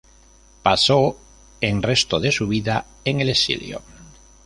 Pasó en resto de su vida en el exilio.